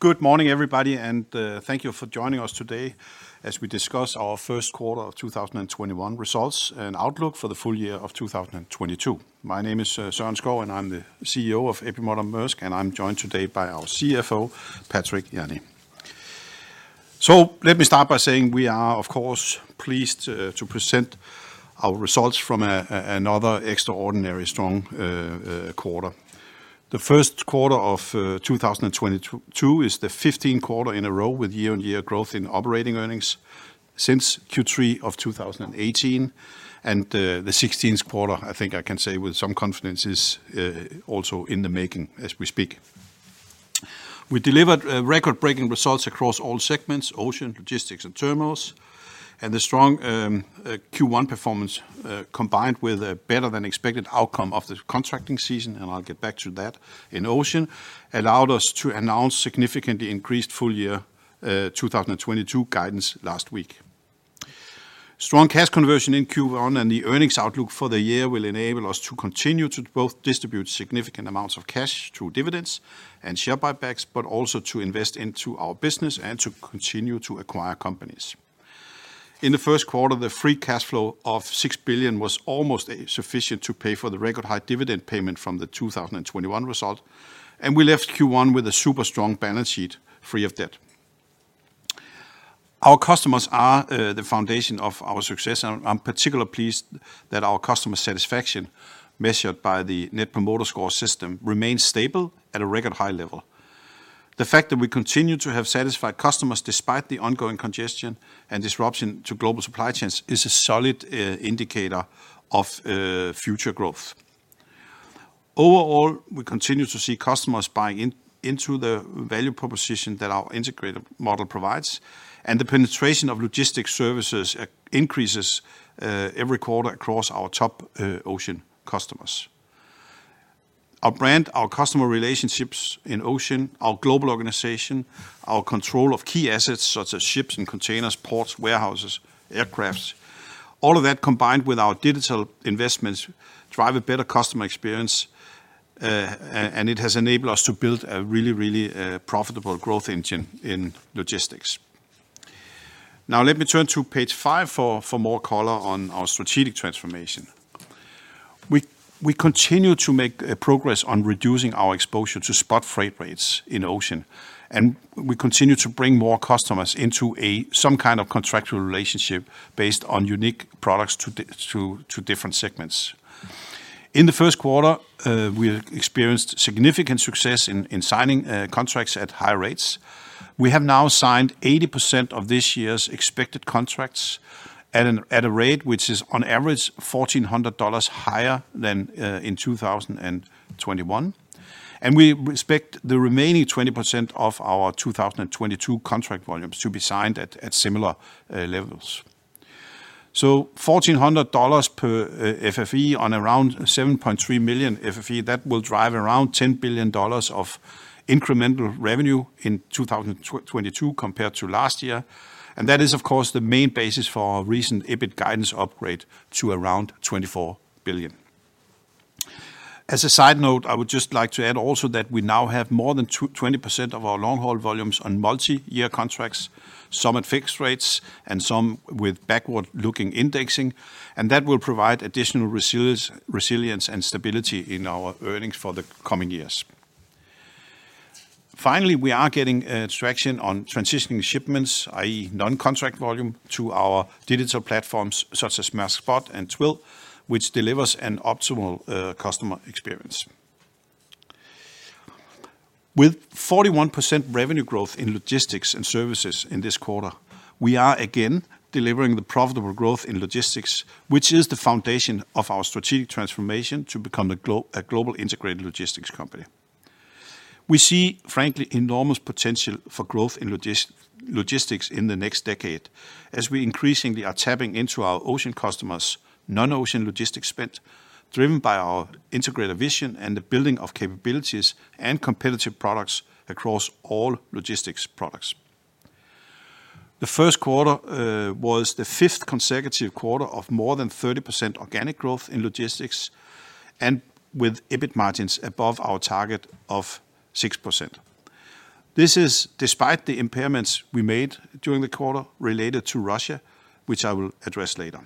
Good morning, everybody, and thank you for joining us today as we discuss our first quarter of 2021 results and outlook for the full year of 2022. My name is Søren Skou, and I'm the CEO of A.P. Moller - Maersk, and I'm joined today by our CFO, Patrick Jany. Let me start by saying we are, of course, pleased to present our results from another extraordinarily strong quarter. The first quarter of 2022 is the 15th quarter in a row with year-on-year growth in operating earnings since Q3 of 2018. The 16th quarter, I think I can say with some confidence, is also in the making as we speak. We delivered record-breaking results across all segments, Ocean, Logistics and Terminals. The strong Q1 performance, combined with a better than expected outcome of the contracting season, and I'll get back to that in Ocean, allowed us to announce significantly increased full year 2022 guidance last week. Strong cash conversion in Q1 and the earnings outlook for the year will enable us to continue to both distribute significant amounts of cash through dividends and share buybacks, but also to invest into our business and to continue to acquire companies. In the first quarter, the free cash flow of $6 billion was almost sufficient to pay for the record high dividend payment from the 2021 result. We left Q1 with a super strong balance sheet free of debt. Our customers are the foundation of our success, and I'm particularly pleased that our customer satisfaction, measured by the Net Promoter Score system, remains stable at a record high level. The fact that we continue to have satisfied customers, despite the ongoing congestion and disruption to global supply chains, is a solid indicator of future growth. Overall, we continue to see customers buying into the value proposition that our integrated model provides, and the penetration of logistics services increases every quarter across our top ocean customers. Our brand, our customer relationships in ocean, our global organization, our control of key assets such as ships and containers, ports, warehouses, aircraft, all of that combined with our digital investments drive a better customer experience, and it has enabled us to build a really profitable growth engine in logistics. Now let me turn to page 5 for more color on our strategic transformation. We continue to make progress on reducing our exposure to spot freight rates in ocean, and we continue to bring more customers into some kind of contractual relationship based on unique products to different segments. In the first quarter, we experienced significant success in signing contracts at higher rates. We have now signed 80% of this year's expected contracts at a rate which is on average $1,400 higher than in 2021. We expect the remaining 20% of our 2022 contract volumes to be signed at similar levels. $1,400 per FFE on around 7.3 million FFE, that will drive around $10 billion of incremental revenue in 2022 compared to last year. That is, of course, the main basis for our recent EBIT guidance upgrade to around $24 billion. As a side note, I would just like to add also that we now have more than 20% of our long-haul volumes on multi-year contracts, some at fixed rates and some with backward-looking indexing. That will provide additional resilience and stability in our earnings for the coming years. Finally, we are getting traction on transitioning shipments, i.e., non-contract volume, to our digital platforms such as Maersk Spot and Twill, which delivers an optimal customer experience. With 41% revenue growth in Logistics & Services in this quarter, we are again delivering the profitable growth in logistics, which is the foundation of our strategic transformation to become a global integrated logistics company. We see, frankly, enormous potential for growth in logistics in the next decade, as we increasingly are tapping into our Ocean customers' non-Ocean logistics spend, driven by our integrated vision and the building of capabilities and competitive products across all logistics products. The first quarter was the fifth consecutive quarter of more than 30% organic growth in logistics and with EBIT margins above our target of 6%. This is despite the impairments we made during the quarter related to Russia, which I will address later.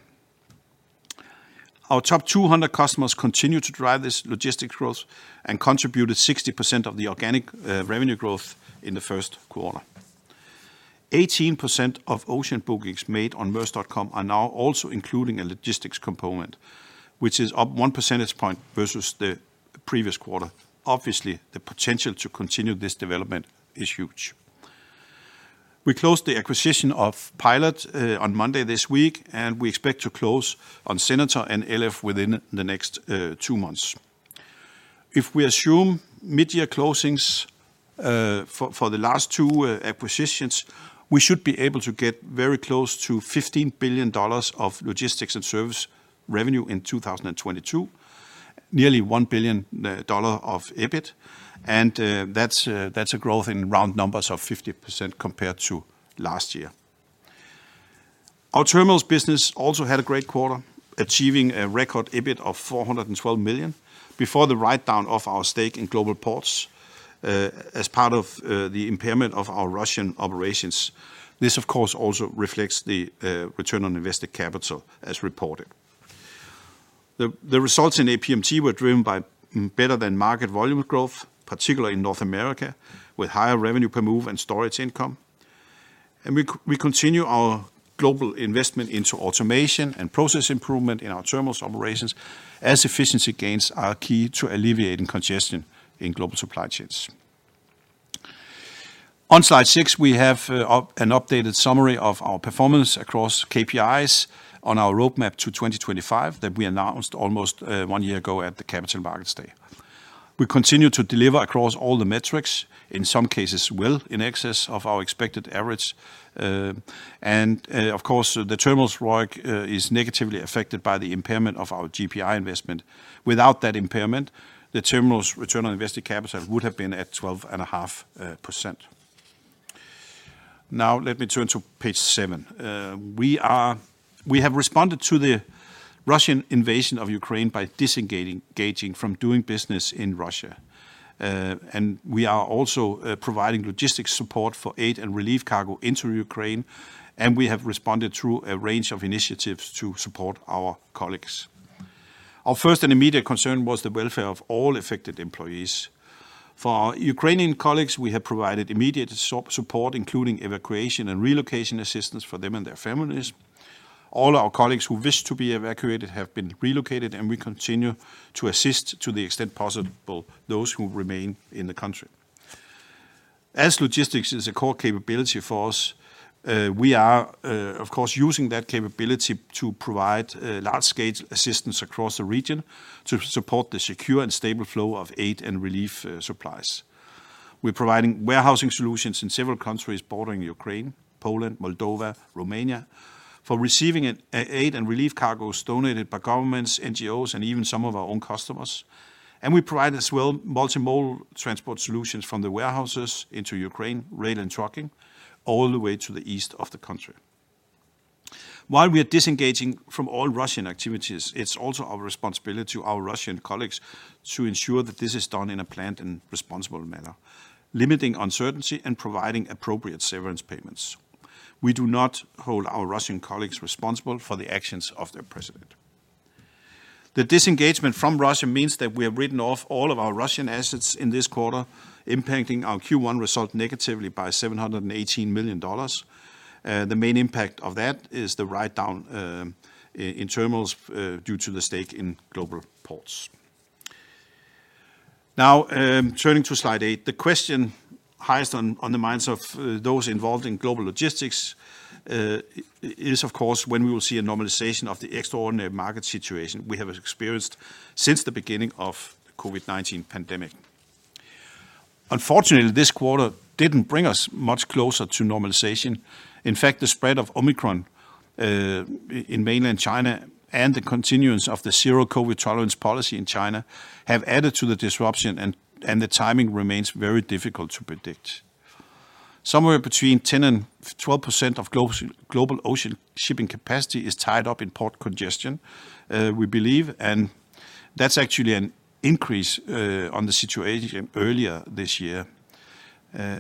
Our top 200 customers continue to drive this logistics growth and contributed 60% of the organic revenue growth in the first quarter. 18% of ocean bookings made on maersk.com are now also including a logistics component, which is up one percentage point versus the previous quarter. Obviously, the potential to continue this development is huge. We closed the acquisition of Pilot on Monday this week, and we expect to close on Senator and LF within the next two months. If we assume mid-year closings for the last two acquisitions, we should be able to get very close to $15 billion of logistics and service revenue in 2022, nearly $1 billion of EBIT. That's a growth in round numbers of 50% compared to last year. Our Terminals business also had a great quarter, achieving a record EBIT of $412 million before the write-down of our stake in Global Ports Investments, as part of the impairment of our Russian operations. This, of course, also reflects the return on invested capital as reported. The results in APMT were driven by better than market volume growth, particularly in North America, with higher revenue per move and storage income. We continue our global investment into automation and process improvement in our terminals operations as efficiency gains are key to alleviating congestion in global supply chains. On slide six, we have an updated summary of our performance across KPIs on our roadmap to 2025 that we announced almost one year ago at the capital markets day. We continue to deliver across all the metrics, in some cases well in excess of our expected average. Of course, the terminals ROIC is negatively affected by the impairment of our GPI investment. Without that impairment, the Terminals return on invested capital would have been at 12.5%. Now let me turn to page seven. We have responded to the Russian invasion of Ukraine by disengaging from doing business in Russia. We are also providing logistics support for aid and relief cargo into Ukraine, and we have responded through a range of initiatives to support our colleagues. Our first and immediate concern was the welfare of all affected employees. For our Ukrainian colleagues, we have provided immediate support, including evacuation and relocation assistance for them and their families. All our colleagues who wish to be evacuated have been relocated, and we continue to assist to the extent possible those who remain in the country. As logistics is a core capability for us, we are, of course, using that capability to provide large-scale assistance across the region to support the secure and stable flow of aid and relief supplies. We're providing warehousing solutions in several countries bordering Ukraine, Poland, Moldova, Romania, for receiving aid and relief cargos donated by governments, NGOs, and even some of our own customers. We provide as well multi-modal transport solutions from the warehouses into Ukraine, rail and trucking, all the way to the east of the country. While we are disengaging from all Russian activities, it's also our responsibility to our Russian colleagues to ensure that this is done in a planned and responsible manner, limiting uncertainty and providing appropriate severance payments. We do not hold our Russian colleagues responsible for the actions of their president. The disengagement from Russia means that we have written off all of our Russian assets in this quarter, impacting our Q1 result negatively by $718 million. The main impact of that is the write-down in terminals due to the stake in Global Ports. Now, turning to slide 8. The question highest on the minds of those involved in global logistics is, of course, when we will see a normalization of the extraordinary market situation we have experienced since the beginning of the COVID-19 pandemic. Unfortunately, this quarter didn't bring us much closer to normalization. In fact, the spread of Omicron in mainland China and the continuance of the zero-COVID tolerance policy in China have added to the disruption and the timing remains very difficult to predict. Somewhere between 10% and 12% of global ocean shipping capacity is tied up in port congestion, we believe, and that's actually an increase on the situation earlier this year.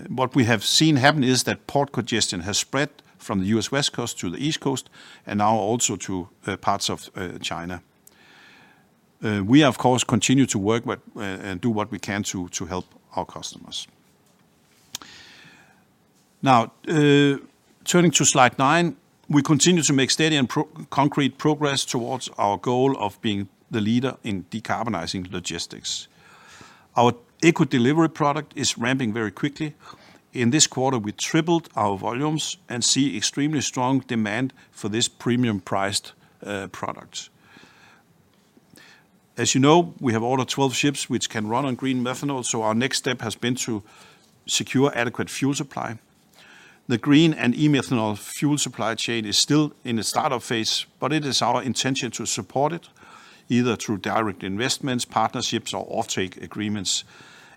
What we have seen happen is that port congestion has spread from the U.S. West Coast to the East Coast and now also to parts of China. We, of course, continue to work with and do what we can to help our customers. Now, turning to slide 9. We continue to make steady and concrete progress towards our goal of being the leader in decarbonizing logistics. Our Eco Delivery product is ramping very quickly. In this quarter, we tripled our volumes and see extremely strong demand for this premium-priced product. As you know, we have ordered 12 ships which can run on green methanol, so our next step has been to secure adequate fuel supply. The green and e-methanol fuel supply chain is still in the startup phase, but it is our intention to support it, either through direct investments, partnerships, or offtake agreements.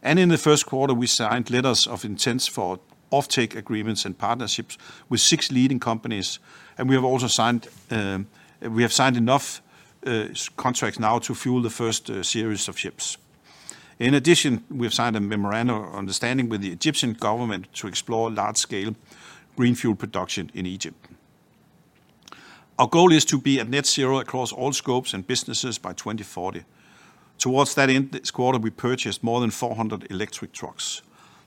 In the first quarter, we signed letters of intent for offtake agreements and partnerships with six leading companies, and we have signed enough contracts now to fuel the first series of ships. In addition, we have signed a memorandum of understanding with the Egyptian government to explore large-scale green fuel production in Egypt. Our goal is to be at net zero across all scopes and businesses by 2040. Towards that end, this quarter, we purchased more than 400 electric trucks.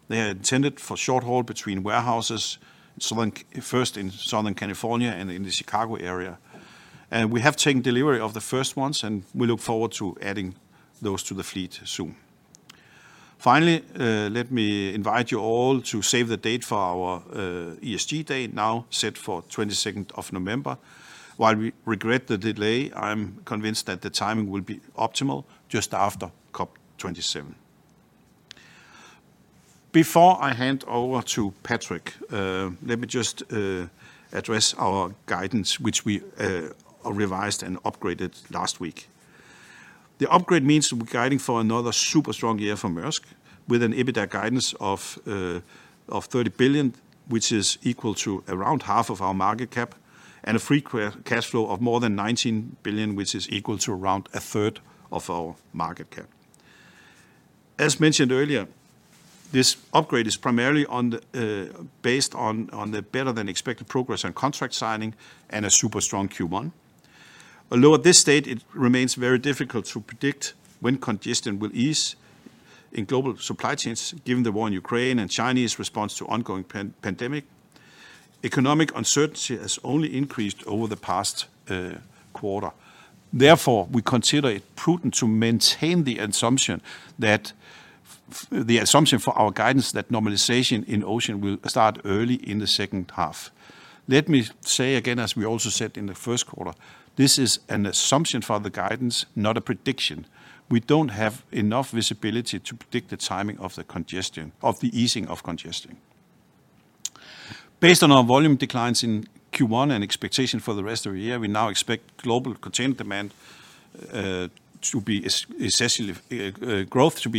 They are intended for short haul between warehouses, first in Southern California and in the Chicago area. We have taken delivery of the first ones, and we look forward to adding those to the fleet soon. Finally, let me invite you all to save the date for our ESG Day, now set for 22nd of November. While we regret the delay, I'm convinced that the timing will be optimal just after COP27. Before I hand over to Patrick, let me just address our guidance, which we revised and upgraded last week. The upgrade means we're guiding for another super strong year for Maersk, with an EBITDA guidance of $30 billion, which is equal to around half of our market cap, and a free cash flow of more than $19 billion, which is equal to around a third of our market cap. As mentioned earlier, this upgrade is primarily based on the better than expected progress on contract signing and a super strong Q1. Although at this stage it remains very difficult to predict when congestion will ease in global supply chains, given the war in Ukraine and China's response to ongoing pandemic. Economic uncertainty has only increased over the past quarter. Therefore, we consider it prudent to maintain the assumption for our guidance that normalization in ocean will start early in the second half. Let me say again, as we also said in the first quarter, this is an assumption for the guidance, not a prediction. We don't have enough visibility to predict the timing of the easing of congestion. Based on our volume declines in Q1 and expectation for the rest of the year, we now expect global container demand growth to be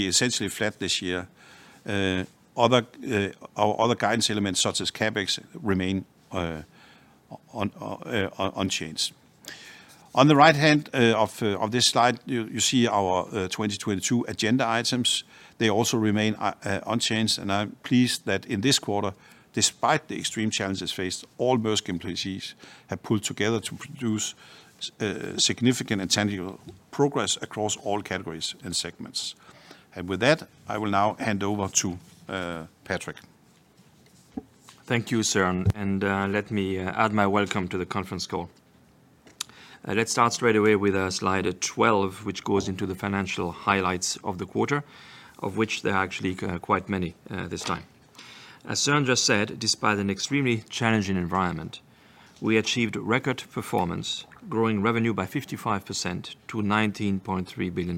essentially flat this year. Our other guidance elements such as CapEx remain unchanged. On the right hand of this slide, you see our 2022 agenda items. They also remain unchanged, and I'm pleased that in this quarter, despite the extreme challenges faced, all Maersk employees have pulled together to produce significant and tangible progress across all categories and segments. With that, I will now hand over to Patrick. Thank you, Søren, and let me add my welcome to the conference call. Let's start straight away with slide 12, which goes into the financial highlights of the quarter, of which there are actually quite many this time. As Søren just said, despite an extremely challenging environment, we achieved record performance, growing revenue by 55% to $19.3 billion.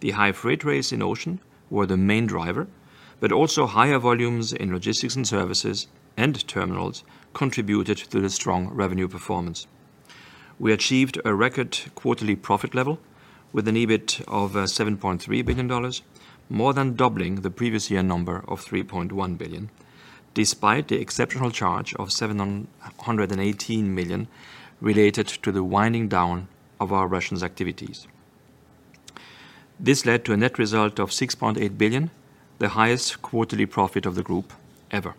The high freight rates in Ocean were the main driver, but also higher volumes in Logistics & Services and terminals contributed to the strong revenue performance. We achieved a record quarterly profit level with an EBIT of $7.3 billion, more than doubling the previous year number of $3.1 billion, despite the exceptional charge of $718 million related to the winding down of our Russian activities. This led to a net result of $6.8 billion, the highest quarterly profit of the group ever.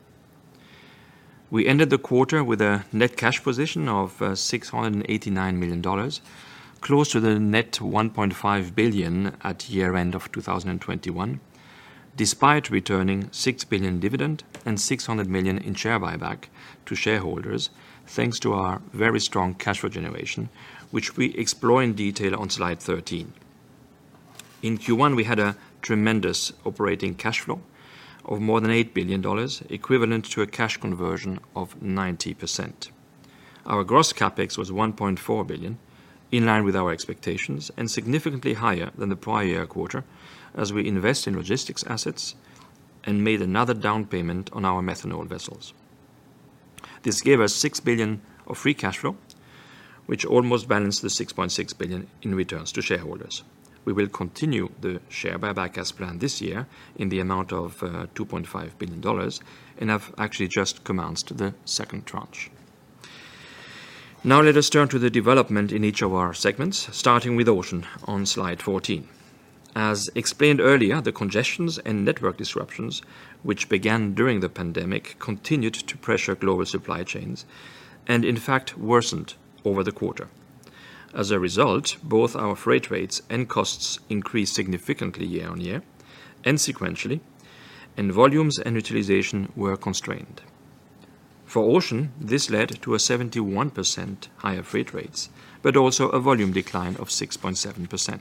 We ended the quarter with a net cash position of $689 million, close to the net $1.5 billion at year-end of 2021, despite returning $6 billion dividend and $600 million in share buyback to shareholders, thanks to our very strong cash flow generation, which we explore in detail on slide 13. In Q1, we had a tremendous operating cash flow of more than $8 billion, equivalent to a cash conversion of 90%. Our gross CapEx was $1.4 billion, in line with our expectations, and significantly higher than the prior year quarter as we invest in logistics assets and made another down payment on our methanol vessels. This gave us $6 billion of free cash flow, which almost balanced the $6.6 billion in returns to shareholders. We will continue the share buyback as planned this year in the amount of $2.5 billion, and have actually just commenced the second tranche. Now let us turn to the development in each of our segments, starting with Ocean on slide 14. As explained earlier, the congestions and network disruptions, which began during the pandemic, continued to pressure global supply chains, and in fact worsened over the quarter. As a result, both our freight rates and costs increased significantly year-on-year and sequentially, and volumes and utilization were constrained. For Ocean, this led to a 71% higher freight rates, but also a volume decline of 6.7%.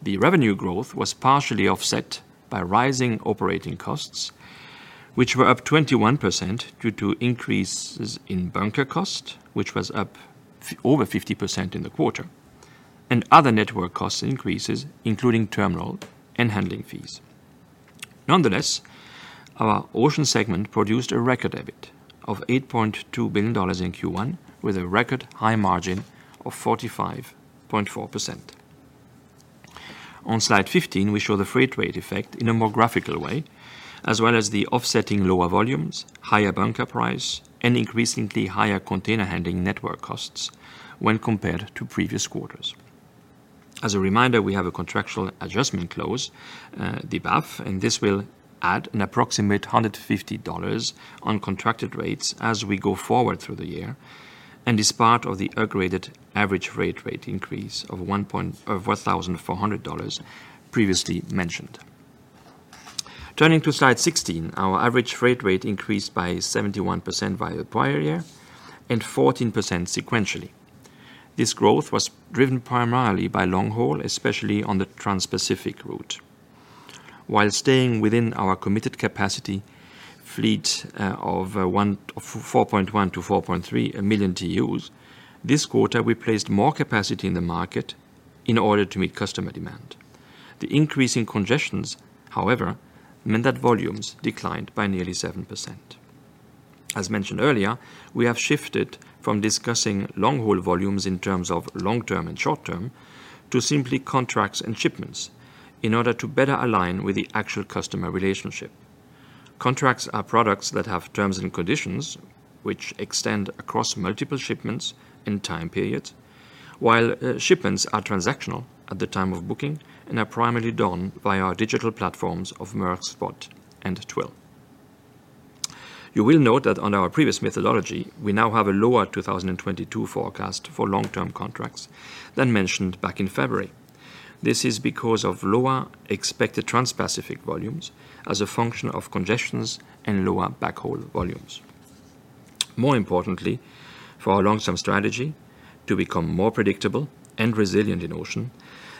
The revenue growth was partially offset by rising operating costs, which were up 21% due to increases in bunker cost, which was up over 50% in the quarter, and other network cost increases, including terminal and handling fees. Nonetheless, our Ocean segment produced a record EBIT of $8.2 billion in Q1, with a record high margin of 45.4%. On slide 15, we show the freight rate effect in a more graphical way, as well as the offsetting lower volumes, higher bunker price, and increasingly higher container handling network costs when compared to previous quarters. As a reminder, we have a contractual adjustment clause, the BAF, and this will add an approximate $150 on contracted rates as we go forward through the year and is part of the upgraded average rate increase of $1,400 previously mentioned. Turning to slide 16, our average freight rate increased by 71% by the prior year and 14% sequentially. This growth was driven primarily by long haul, especially on the Trans-Pacific route. While staying within our committed capacity fleet of 4.1-4.3 million TEUs, this quarter, we placed more capacity in the market in order to meet customer demand. The increase in congestion, however, meant that volumes declined by nearly 7%. As mentioned earlier, we have shifted from discussing long-haul volumes in terms of long-term and short-term to simply contracts and shipments in order to better align with the actual customer relationship. Contracts are products that have terms and conditions which extend across multiple shipments and time periods. While shipments are transactional at the time of booking and are primarily done by our digital platforms of Maersk Spot and Twill. You will note that on our previous methodology, we now have a lower 2022 forecast for long-term contracts than mentioned back in February. This is because of lower expected Trans-Pacific volumes as a function of congestion and lower backhaul volumes. More importantly, for our long-term strategy to become more predictable and resilient in Ocean,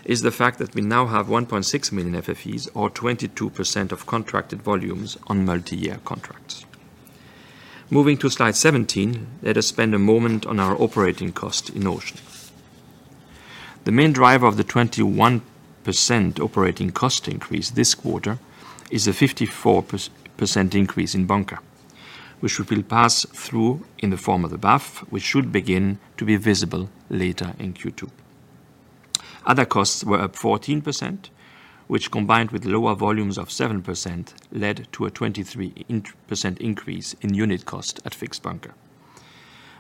is the fact that we now have 1.6 million FFEs or 22% of contracted volumes on multi-year contracts. Moving to slide 17, let us spend a moment on our operating cost in Ocean. The main driver of the 21% operating cost increase this quarter is a 54% increase in bunker, which we will pass through in the form of the BAF, which should begin to be visible later in Q2. Other costs were up 14%, which combined with lower volumes of 7% led to a 23% increase in unit cost at fixed bunker.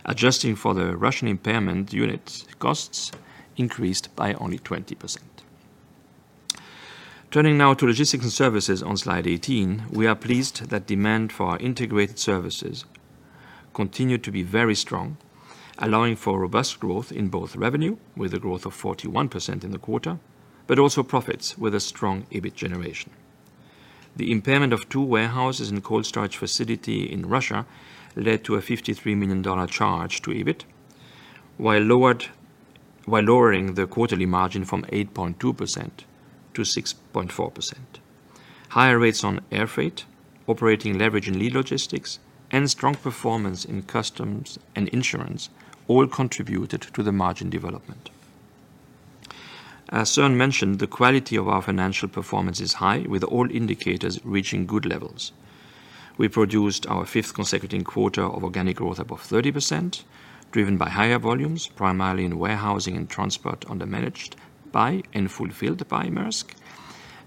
Adjusting for the Russian impairment, unit costs increased by only 20%. Turning now to Logistics & Services on slide 18, we are pleased that demand for our integrated services continued to be very strong, allowing for robust growth in both revenue with a growth of 41% in the quarter, but also profits with a strong EBIT generation. The impairment of two warehouses and cold storage facility in Russia led to a $53 million charge to EBIT, while lowering the quarterly margin from 8.2%–6.4%. Higher rates on airfreight, operating leverage and lead logistics, and strong performance in customs and insurance all contributed to the margin development. As Søren mentioned, the quality of our financial performance is high, with all indicators reaching good levels. We produced our fifth consecutive quarter of organic growth above 30%, driven by higher volumes, primarily in warehousing and transport under Managed by Maersk and Fulfilled by Maersk,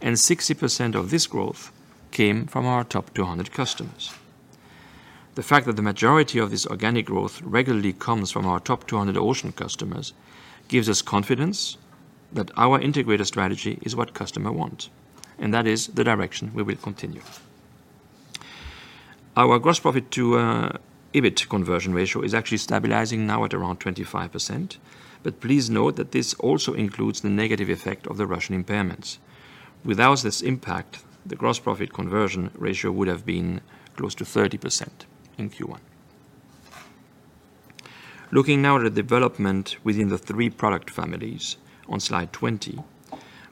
and 60% of this growth came from our top 200 customers. The fact that the majority of this organic growth regularly comes from our top 200 Ocean customers gives us confidence that our integrated strategy is what customer want, and that is the direction we will continue. Our gross profit to EBIT conversion ratio is actually stabilizing now at around 25%. Please note that this also includes the negative effect of the Russian impairments. Without this impact, the gross profit conversion ratio would have been close to 30% in Q1. Looking now at the development within the three product families on slide 20,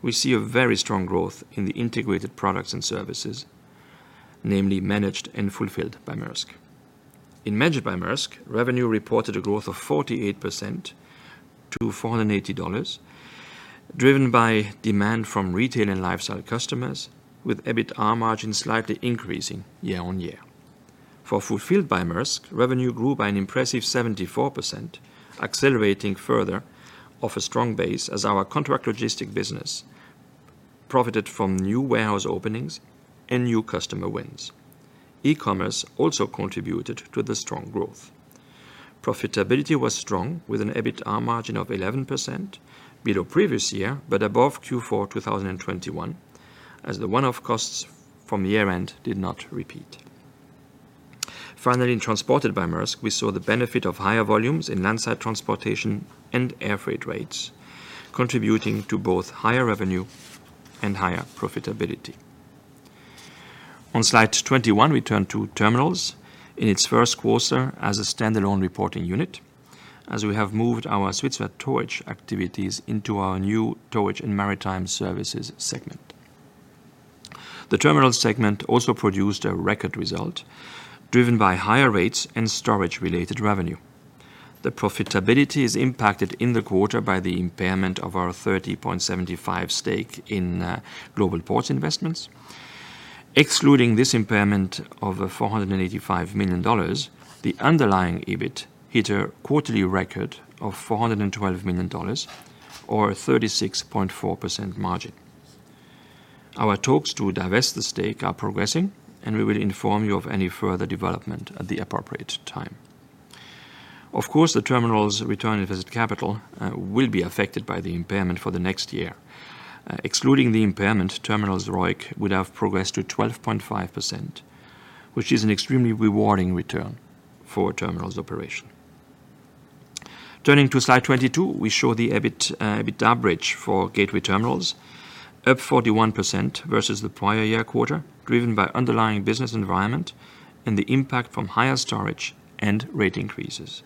we see a very strong growth in the integrated products and services, namely Managed by Maersk and Fulfilled by Maersk. In Managed by Maersk, revenue reported a growth of 48% to $480, driven by demand from retail and lifestyle customers, with EBITDA margin slightly increasing year-on-year. For Fulfilled by Maersk, revenue grew by an impressive 74%, accelerating further off a strong base as our contract logistics business profited from new warehouse openings and new customer wins. E-commerce also contributed to the strong growth. Profitability was strong with an EBITDAR margin of 11% below previous year, but above Q4 2021 as the one-off costs from year-end did not repeat. Finally, in Transported by Maersk, we saw the benefit of higher volumes in landside transportation and airfreight rates, contributing to both higher revenue and higher profitability. On slide 21, we turn to terminals in its first quarter as a standalone reporting unit as we have moved our Svitzer towage activities into our new Towage and Maritime Services segment. The terminal segment also produced a record result driven by higher rates and storage-related revenue. The profitability is impacted in the quarter by the impairment of our 30.75% stake in Global Ports Investments. Excluding this impairment of $485 million, the underlying EBIT hit a quarterly record of $412 million or a 36.4% margin. Our talks to divest the stake are progressing, and we will inform you of any further development at the appropriate time. Of course, the terminal's return on invested capital will be affected by the impairment for the next year. Excluding the impairment, Terminals' ROIC would have progressed to 12.5%, which is an extremely rewarding return for Terminals' operation. Turning to slide 22, we show the EBITDAR bridge for gateway terminals up 41% versus the prior year quarter, driven by underlying business environment and the impact from higher storage and rate increases.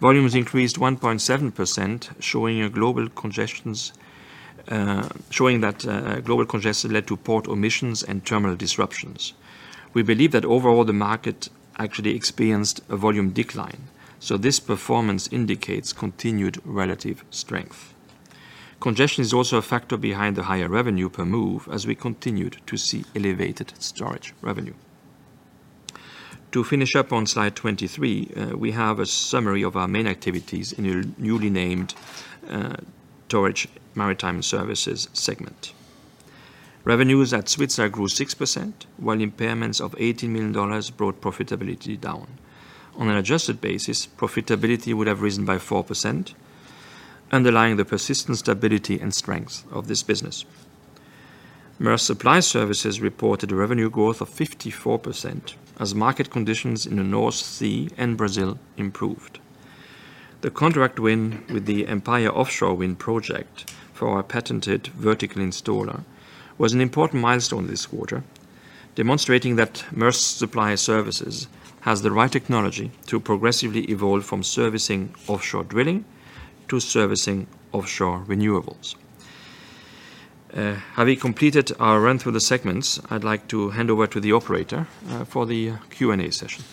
Volumes increased 1.7%, showing that global congestion led to port omissions and terminal disruptions. We believe that overall the market actually experienced a volume decline, so this performance indicates continued relative strength. Congestion is also a factor behind the higher revenue per move as we continued to see elevated storage revenue. To finish up on slide 23, we have a summary of our main activities in a newly named Towage and Maritime Services segment. Revenues at Svitzer grew 6%, while impairments of $80 million brought profitability down. On an adjusted basis, profitability would have risen by 4%, underlying the persistent stability and strength of this business. Maersk Supply Service reported a revenue growth of 54% as market conditions in the North Sea and Brazil improved. The contract win with the Empire Offshore Wind project for our patented vertical installer was an important milestone this quarter, demonstrating that Maersk Supply Service has the right technology to progressively evolve from servicing offshore drilling to servicing offshore renewables. Having completed our run through the segments, I'd like to hand over to the operator for the Q&A session.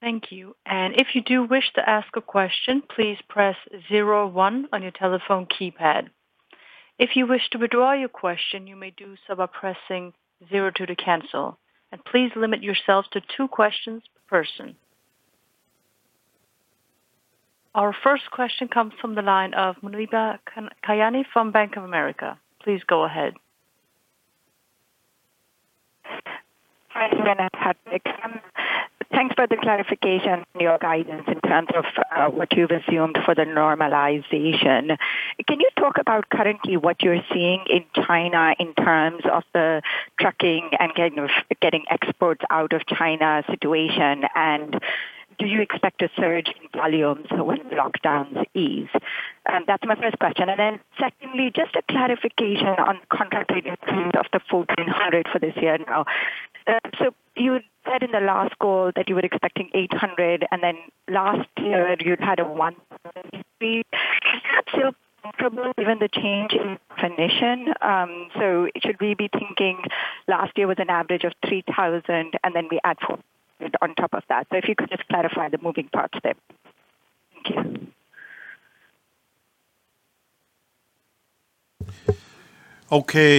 Thank you. If you do wish to ask a question, please press zero one on your telephone keypad. If you wish to withdraw your question, you may do so by pressing zero two to cancel. Please limit yourself to two questions per person. Our first question comes from the line of Muneeba Kayani from Bank of America. Please go ahead. Hi, Søren and Patrick. Thanks for the clarification on your guidance in terms of what you've assumed for the normalization. Can you talk about currently what you're seeing in China in terms of the trucking and getting exports out of China situation? Do you expect a surge in volumes when lockdowns ease? That's my first question. Then secondly, just a clarification on contract rate increase of the $1,400 for this year now. You said in the last call that you were expecting $800, and then last year you had a $1,000. Is that still comfortable given the change in definition? Should we be thinking last year was an average of $3,000, and then we add $400 on top of that? If you could just clarify the moving parts there. Thank you. Okay.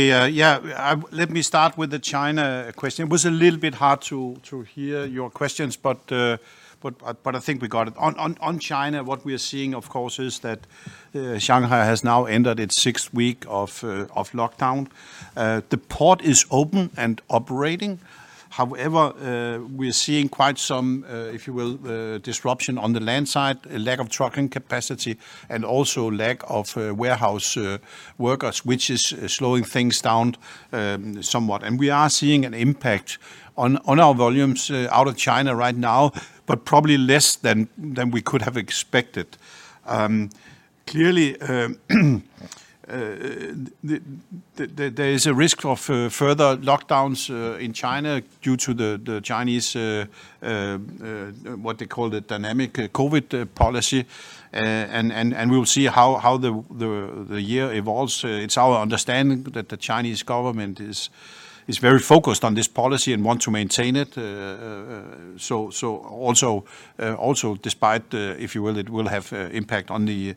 Let me start with the China question. It was a little bit hard to hear your questions, but I think we got it. On China, what we are seeing, of course, is that Shanghai has now entered its sixth week of lockdown. The port is open and operating. However, we're seeing quite some, if you will, disruption on the land side, a lack of trucking capacity and also lack of warehouse workers, which is slowing things down, somewhat. We are seeing an impact on our volumes out of China right now, but probably less than we could have expected. Clearly, there is a risk of further lockdowns in China due to the Chinese what they call the dynamic COVID policy. We'll see how the year evolves. It's our understanding that the Chinese government is very focused on this policy and want to maintain it. Also, despite if you will, it will have impact on the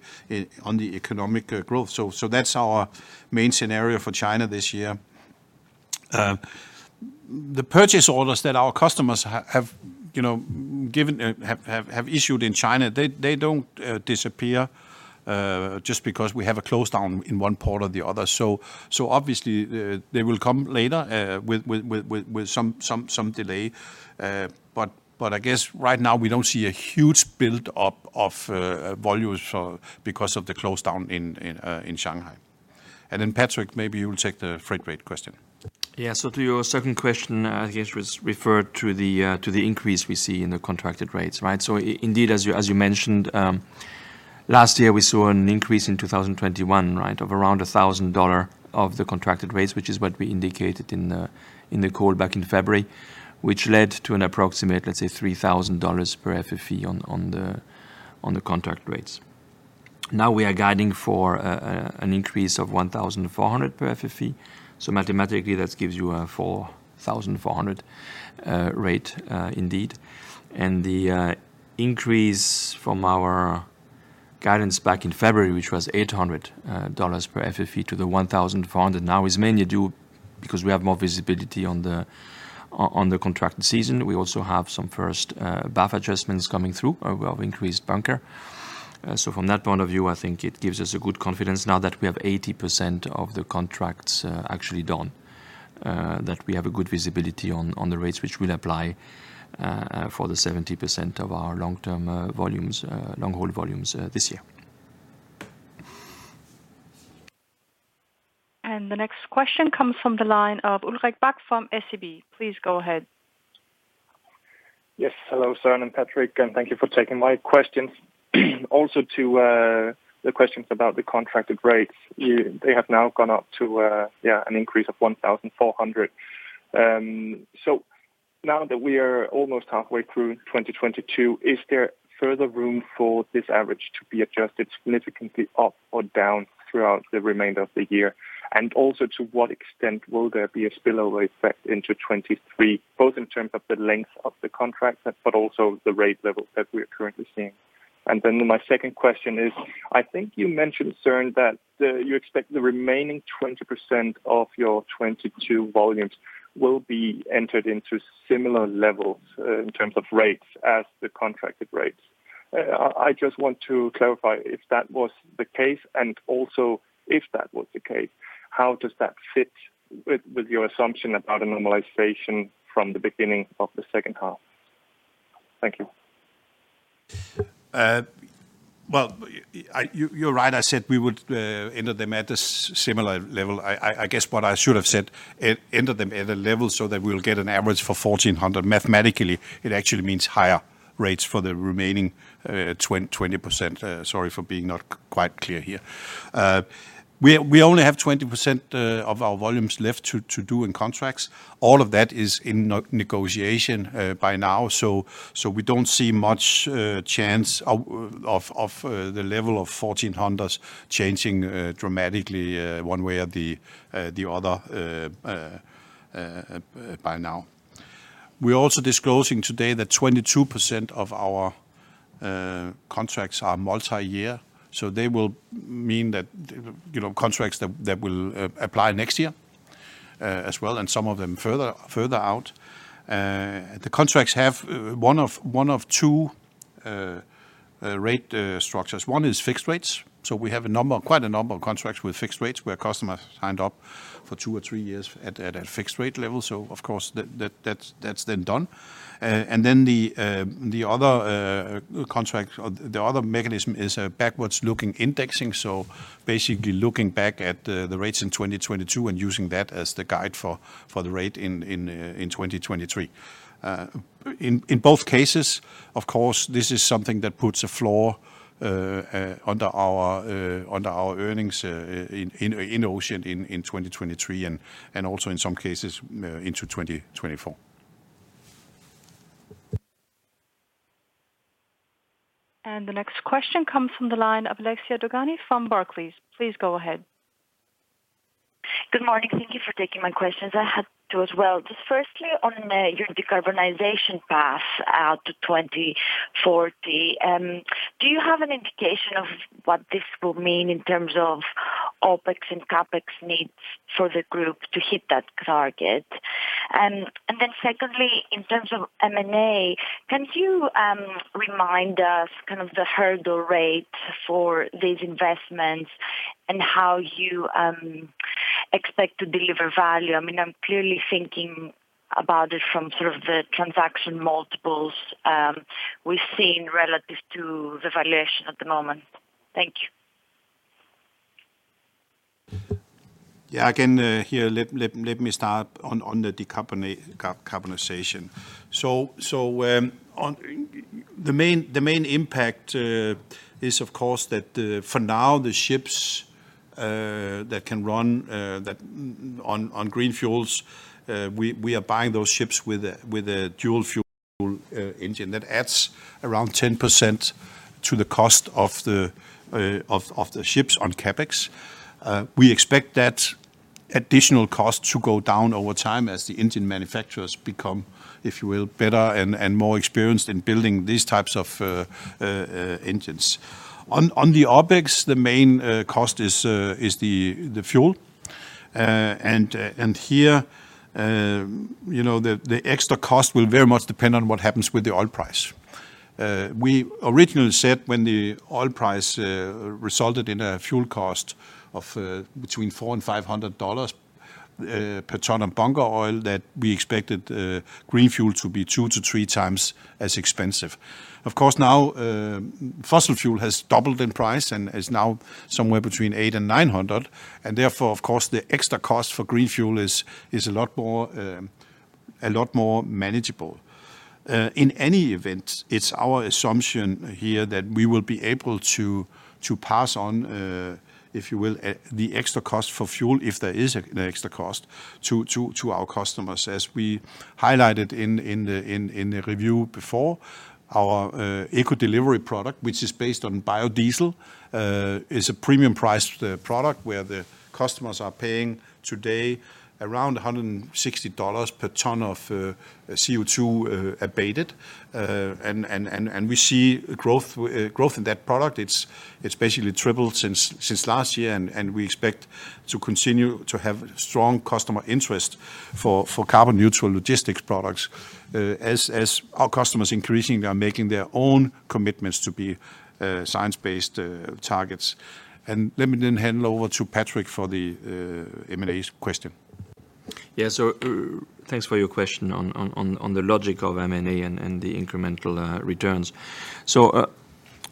economic growth. That's our main scenario for China this year. The purchase orders that our customers have you know issued in China, they don't disappear just because we have a close down in one port or the other. Obviously, they will come later with some delay. But I guess right now we don't see a huge build-up of volumes because of the lockdown in Shanghai. Patrick Jany, maybe you will take the freight rate question. Yeah. To your second question, I guess was referred to the increase we see in the contracted rates, right? Indeed, as you mentioned, last year, we saw an increase in 2021, right, of around $1,000 of the contracted rates, which is what we indicated in the call back in February, which led to an approximate, let's say, $3,000 per FFE on the contract rates. Now we are guiding for an increase of $1,400 per FFE. Mathematically, that gives you a $4,400 rate, indeed. The increase from our guidance back in February, which was $800 per FFE to the $1,400 now is mainly due because we have more visibility on the contracted season. We also have some first BAF adjustments coming through of increased bunker. So from that point of view, I think it gives us a good confidence now that we have 80% of the contracts actually done, that we have a good visibility on the rates which will apply for the 70% of our long-term volumes, long-haul volumes, this year. The next question comes from the line of Ulrik Bak from SEB. Please go ahead. Yes. Hello, Søren and Patrick, and thank you for taking my questions. Also, to the questions about the contracted rates. They have now gone up to an increase of 1,400. So now that we are almost halfway through 2022, is there further room for this average to be adjusted significantly up or down throughout the remainder of the year? To what extent will there be a spillover effect into 2023, both in terms of the length of the contracts, but also the rate level that we are currently seeing? Then my second question is, I think you mentioned, Søren, that you expect the remaining 20% of your 2022 volumes will be entered into similar levels in terms of rates as the contracted rates. I just want to clarify if that was the case, and also, if that was the case, how does that fit with your assumption about a normalization from the beginning of the second half? Thank you. Well, you're right, I said we would enter them at a similar level. I guess what I should have said, enter them at a level so that we'll get an average for $1400. Mathematically, it actually means higher rates for the remaining 20%. Sorry for being not quite clear here. We only have 20% of our volumes left to do in contracts. All of that is in negotiation by now. We don't see much chance of the level of $1400s changing dramatically one way or the other by now. We're also disclosing today that 22% of our contracts are multi-year, so they will mean that contracts that will apply next year as well, and some of them further out. The contracts have one of two rate structures. One is fixed rates. We have quite a number of contracts with fixed rates where customers signed up for two or three years at a fixed rate level. Of course that's then done. The other contract or the other mechanism is a backwards-looking indexing, so basically looking back at the rates in 2022 and using that as the guide for the rate in 2023. In both cases, of course, this is something that puts a floor under our earnings in Ocean in 2023 and also in some cases into 2024. The next question comes from the line of Alexia Dogani from Barclays. Please go ahead. Good morning. Thank you for taking my questions. I had two as well. Just firstly, on your decarbonization path out to 2040, do you have an indication of what this will mean in terms of OpEx and CapEx needs for the group to hit that target? Secondly, in terms of M&A, can you remind us kind of the hurdle rate for these investments and how you expect to deliver value? I mean, I'm clearly thinking about it from sort of the transaction multiples we've seen relative to the valuation at the moment. Thank you. Again, here, let me start on the decarbonization. On the main impact is of course that for now the ships that can run on green fuels, we are buying those ships with a dual fuel engine that adds around 10% to the cost of the ships on CapEx. We expect that additional cost to go down over time as the engine manufacturers become, if you will, better and more experienced in building these types of engines. On the OpEx, the main cost is the fuel. Here, you know, the extra cost will very much depend on what happens with the oil price. We originally said when the oil price resulted in a fuel cost of between $400 and $500 per ton of bunker oil, that we expected green fuel to be two to three times as expensive. Of course, now fossil fuel has doubled in price and is now somewhere between $800 and $900, and therefore, of course, the extra cost for green fuel is a lot more manageable. In any event, it's our assumption here that we will be able to pass on, if you will, the extra cost for fuel, if there is an extra cost to our customers. As we highlighted in the review before, our Eco Delivery product, which is based on biodiesel, is a premium priced product where the customers are paying today around $160 per ton of CO2 abated. We see growth in that product. It's basically tripled since last year, and we expect to continue to have strong customer interest for carbon neutral logistics products, as our customers increasingly are making their own commitments to be science-based targets. Let me then hand over to Patrick for the M&A question. Thanks for your question on the logic of M&A and the incremental returns.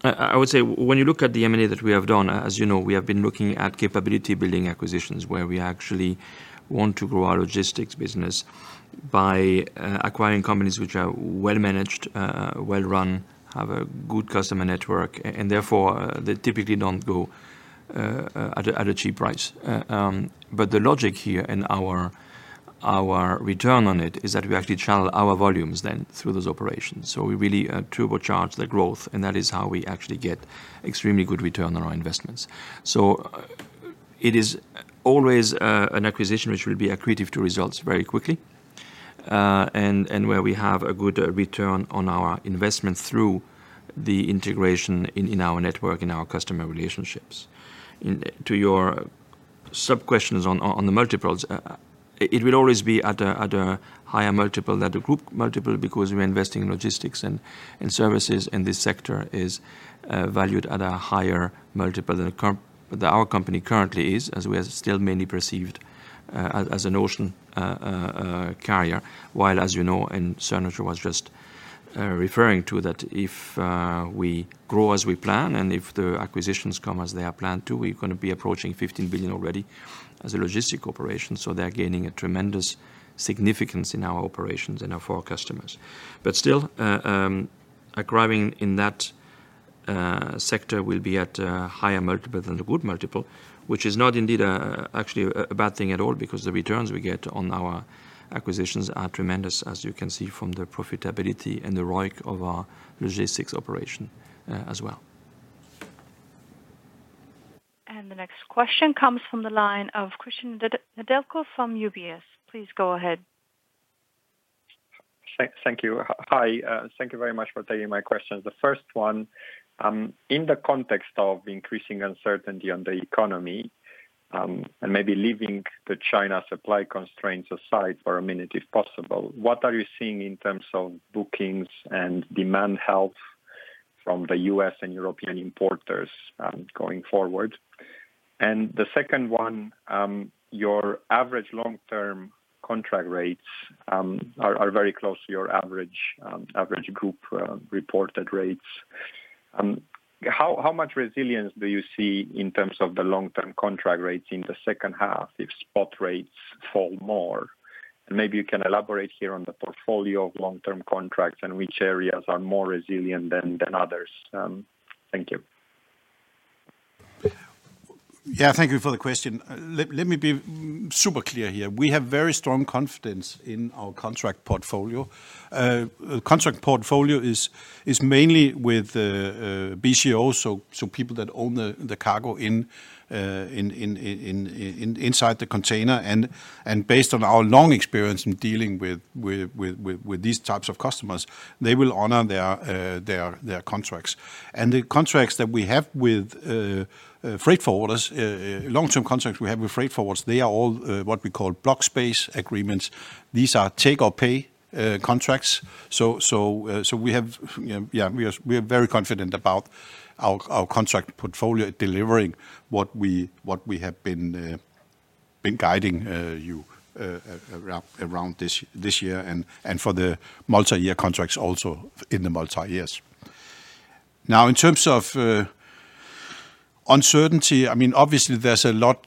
I would say when you look at the M&A that we have done, as you know, we have been looking at capability building acquisitions where we actually want to grow our logistics business by acquiring companies which are well managed, well run, have a good customer network, and therefore they typically don't go at a cheap price. The logic here in our return on it is that we actually channel our volumes then through those operations. We really turbocharge the growth, and that is how we actually get extremely good return on our investments. It is always an acquisition which will be accretive to results very quickly, where we have a good return on our investment through the integration in our network, in our customer relationships. To your sub-questions on the multiples, it will always be at a higher multiple than the group multiple because we're investing in logistics and services, and this sector is valued at a higher multiple than our company currently is, as we are still mainly perceived as an ocean carrier. While, as you know, and Søren was just referring to that if we grow as we plan and if the acquisitions come as they are planned to, we're gonna be approaching $15 billion already as a logistic operation. They're gaining a tremendous significance in our operations and for our customers. Still, acquiring in that sector will be at a higher multiple than the group multiple, which is not indeed actually a bad thing at all because the returns we get on our acquisitions are tremendous, as you can see from the profitability and the ROIC of our logistics operation, as well. The next question comes from the line of Cristian Nedelcu from UBS. Please go ahead. Thank you. Hi. Thank you very much for taking my questions. The first one, in the context of increasing uncertainty on the economy, and maybe leaving the China supply constraints aside for a minute if possible, what are you seeing in terms of bookings and demand health from the U.S. and European importers, going forward? The second one, your average long-term contract rates are very close to your average group reported rates. How much resilience do you see in terms of the long-term contract rates in the second half if spot rates fall more? Maybe you can elaborate here on the portfolio of long-term contracts and which areas are more resilient than others. Thank you. Yeah. Thank you for the question. Let me be super clear here. We have very strong confidence in our contract portfolio. Contract portfolio is mainly with BCOs, so people that own the cargo inside the container. Based on our long experience in dealing with these types of customers, they will honor their contracts. The long-term contracts that we have with freight forwarders, they are all what we call block space agreements. These are take or pay contracts. We have, yeah, we are very confident about our contract portfolio delivering what we have been guiding you around this year and for the multiyear contracts also in the multiyear. Now, in terms of uncertainty, I mean obviously there's a lot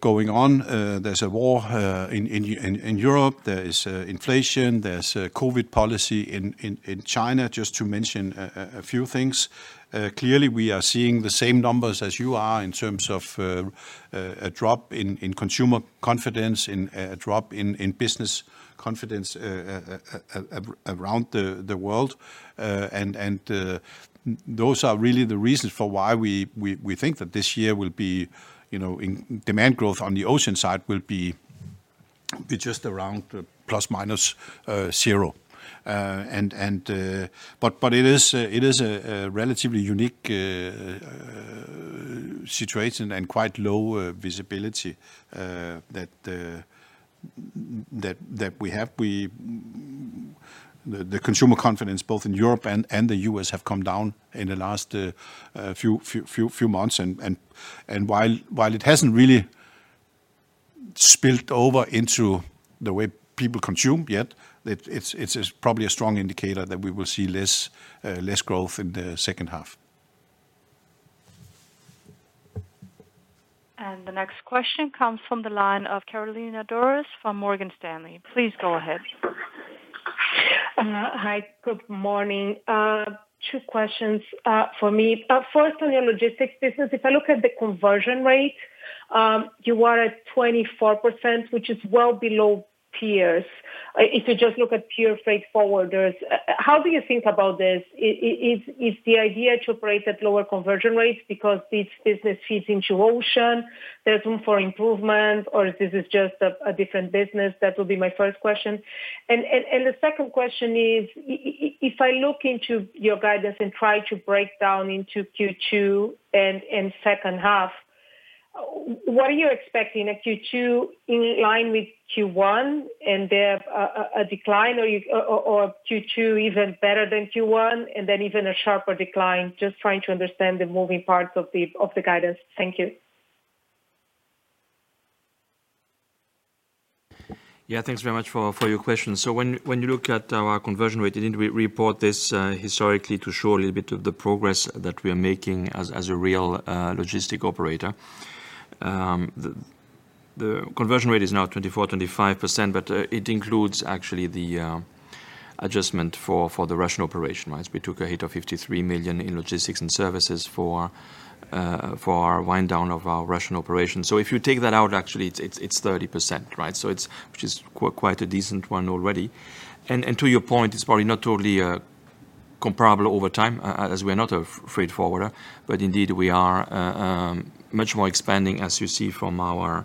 going on. There's a war in Europe, there is inflation, there's a COVID policy in China, just to mention a few things. Clearly we are seeing the same numbers as you are in terms of a drop in consumer confidence and a drop in business confidence around the world. Those are really the reasons for why we think that, you know, in demand growth on the Ocean side will be just around ±0%. It is a relatively unique situation and quite low visibility that we have. The consumer confidence both in Europe and the U.S. have come down in the last few months. While it hasn't really spilled over into the way people consume yet, it's probably a strong indicator that we will see less growth in the second half. The next question comes from the line of Carolina Dores from Morgan Stanley. Please go ahead. Hi. Good morning. Two questions for me. First on your logistics business, if I look at the conversion rate, you are at 24%, which is well below peers. If you just look at pure freight forwarders, how do you think about this? Is the idea to operate at lower conversion rates because this business feeds into ocean, there's room for improvement, or this is just a different business? That would be my first question. The second question is, if I look into your guidance and try to break down into Q2 and second half, what are you expecting at Q2 in line with Q1 and then a decline or Q2 even better than Q1, and then even a sharper decline? Just trying to understand the moving parts of the guidance. Thank you. Yeah. Thanks very much for your question. When you look at our conversion rate, and we report this historically to show a little bit of the progress that we are making as a real logistics operator, the conversion rate is now 24%–25%. It includes actually the adjustment for the Russian operation, right? We took a hit of $53 million in logistics and services for our wind down of our Russian operations. If you take that out, actually it's 30%, right? It's just quite a decent one already. To your point, it's probably not totally comparable over time, as we are not a freight forwarder, but indeed we are much more expanding as you see from our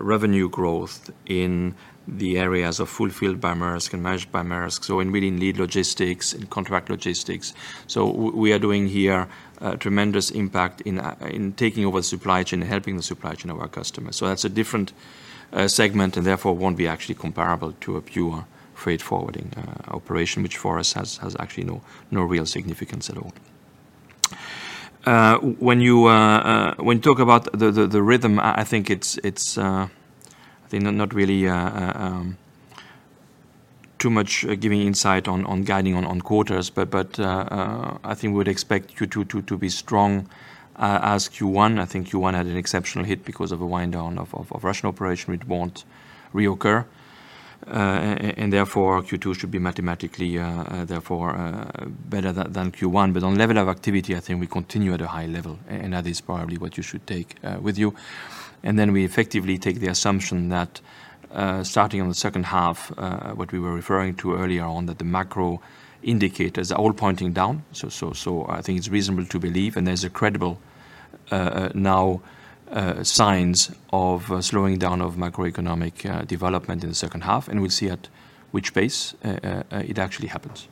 revenue growth in the areas of Fulfilled by Maersk and Managed by Maersk. In end-to-end logistics and contract logistics we are doing here a tremendous impact in taking over supply chain, helping the supply chain of our customers. That's a different segment and therefore won't be actually comparable to a pure freight forwarding operation, which for us has actually no real significance at all. When you talk about the rhythm, I think it's not really too much guidance on quarters, but I think we'd expect Q2 to be strong as Q1. I think Q1 had an exceptional hit because of a wind down of Russian operation, which won't reoccur. Therefore, Q2 should be mathematically better than Q1. On level of activity, I think we continue at a high level, and that is probably what you should take with you. Then we effectively make the assumption that, starting on the second half, what we were referring to earlier on, that the macro indicators are all pointing down. I think it's reasonable to believe, and there's a credible now signs of slowing down of macroeconomic development in the second half, and we'll see at which pace it actually happens.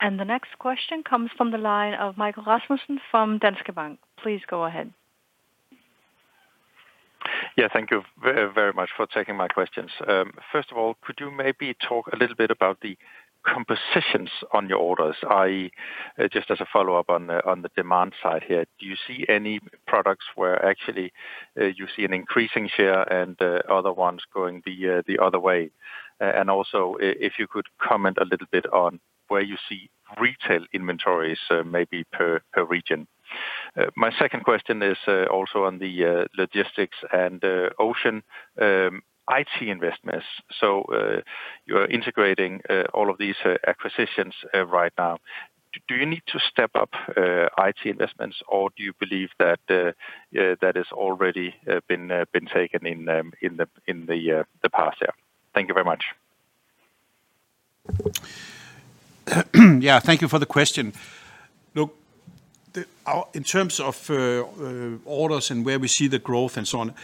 The next question comes from the line of Michael Rasmussen from Danske Bank. Please go ahead. Yeah, thank you very much for taking my questions. First of all, could you maybe talk a little bit about the compositions on your orders? I just as a follow-up on the demand side here, do you see any products where actually you see an increasing share and other ones going the other way? And also if you could comment a little bit on where you see retail inventories, maybe per region. My second question is also on the Logistics and Ocean IT investments. You're integrating all of these acquisitions right now. Do you need to step up IT investments, or do you believe that that has already been taken in in the past year? Thank you very much. Yeah, thank you for the question. Look, In terms of orders and where we see the growth and so on,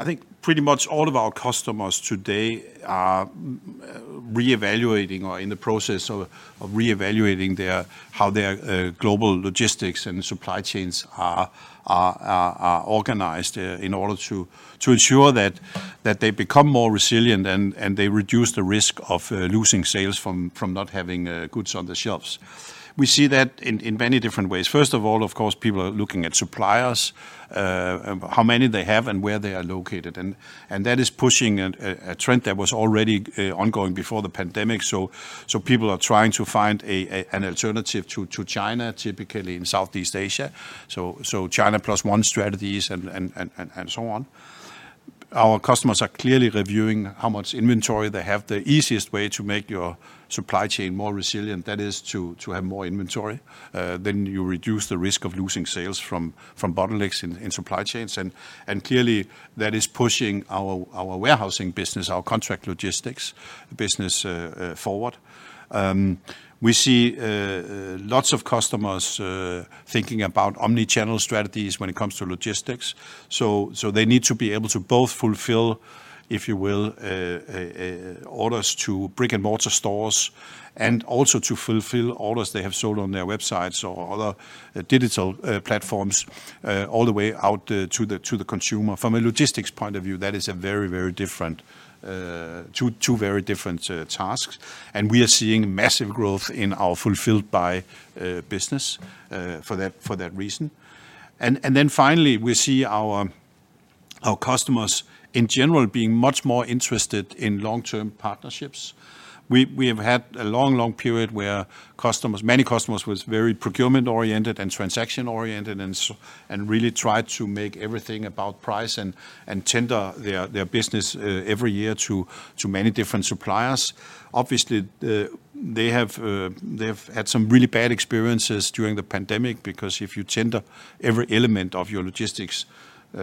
I think pretty much all of our customers today are reevaluating or in the process of reevaluating how their global logistics and supply chains are organized in order to ensure that they become more resilient and they reduce the risk of losing sales from not having goods on the shelves. We see that in many different ways. First of all, of course, people are looking at suppliers how many they have and where they are located. That is pushing a trend that was already ongoing before the pandemic. People are trying to find an alternative to China, typically in Southeast Asia. China plus one strategies and so on. Our customers are clearly reviewing how much inventory they have. The easiest way to make your supply chain more resilient, that is to have more inventory. You reduce the risk of losing sales from bottlenecks in supply chains. Clearly that is pushing our warehousing business, our contract logistics business forward. We see lots of customers thinking about omni-channel strategies when it comes to logistics. They need to be able to both fulfill, if you will, orders to brick-and-mortar stores and also to fulfill orders they have sold on their websites or other digital platforms, all the way out to the consumer. From a logistics point of view, that is two very different tasks. We are seeing massive growth in our fulfilled by business for that reason. Then finally, we see our customers in general being much more interested in long-term partnerships. We have had a long, long period where customers, many customers was very procurement-oriented and transaction-oriented and really tried to make everything about price and tender their business every year to many different suppliers. Obviously, they have, they've had some really bad experiences during the pandemic, because if you tender every element of your logistics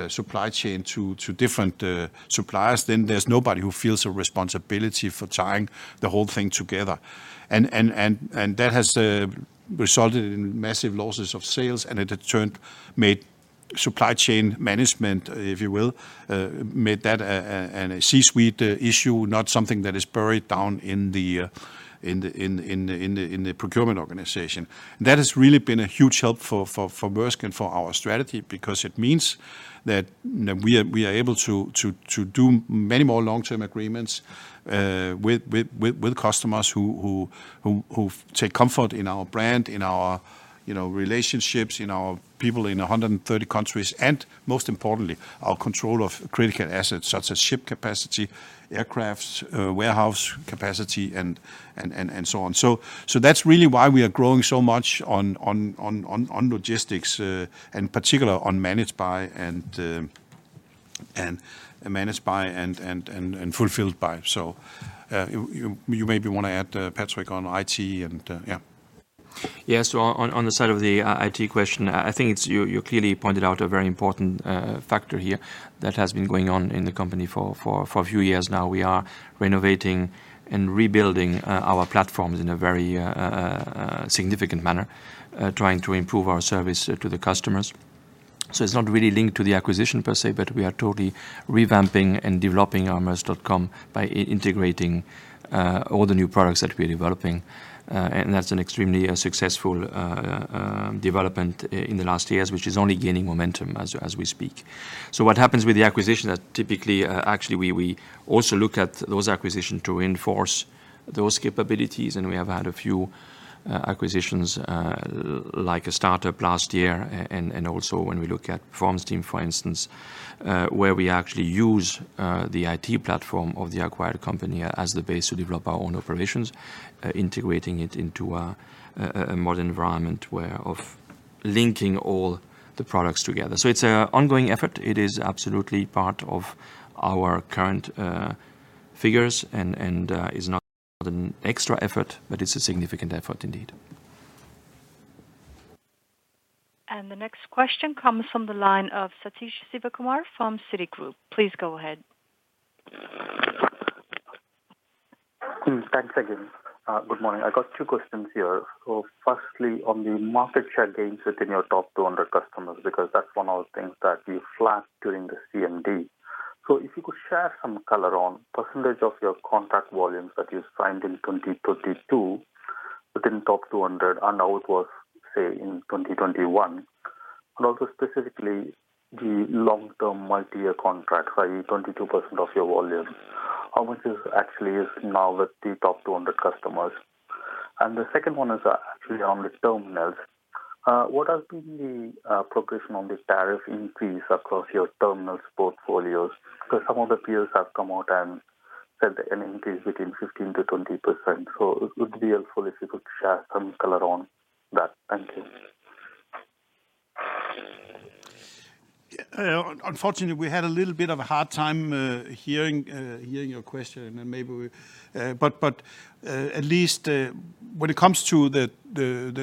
supply chain to different suppliers, then there's nobody who feels a responsibility for tying the whole thing together. That has resulted in massive losses of sales, and it made supply chain management, if you will, a C-suite issue, not something that is buried down in the procurement organization. That has really been a huge help for Maersk and for our strategy, because it means that we are able to do many more long-term agreements with customers who take comfort in our brand, in our relationships, you know, in our people in 130 countries, and most importantly, our control of critical assets, such as ship capacity, aircraft, warehouse capacity, and so on. That's really why we are growing so much on logistics and in particular on Managed by and Fulfilled by. You maybe want to add, Patrick, on IT and yeah. Yes. On the side of the IT question, I think it's, you clearly pointed out a very important factor here that has been going on in the company for a few years now. We are renovating and rebuilding our platforms in a very significant manner, trying to improve our service to the customers. It's not really linked to the acquisition per se, but we are totally revamping and developing our maersk.com by integrating all the new products that we're developing. And that's an extremely successful development in the last years, which is only gaining momentum as we speak. What happens with the acquisition that typically, actually we also look at those acquisitions to reinforce those capabilities, and we have had a few acquisitions, like a startup last year. And also when we look at Visible SCM, for instance, where we actually use the IT platform of the acquired company as the base to develop our own operations, integrating it into a modern environment where of linking all the products together. It's a ongoing effort. It is absolutely part of our current figures and is not an extra effort, but it's a significant effort indeed. The next question comes from the line of Sathish B. Sivakumar from Citigroup. Please go ahead. Thanks again. Good morning. I got two questions here. Firstly, on the market share gains within your top 200 customers, because that's one of the things that you flagged during the CMD. If you could share some color on percentage of your contract volumes that you signed in 2022 within top 200, and how it was, say, in 2021. And also specifically the long-term multi-year contracts, i.e., 22% of your volume, how much is actually is now with the top 200 customers? And the second one is actually on the Terminals. What has been the progression on this tariff increase across your Terminals portfolios? Because some of the peers have come out and said an increase between 15%–20%. It would be helpful if you could share some color on that. Thank you. Unfortunately, we had a little bit of a hard time hearing your question. At least when it comes to the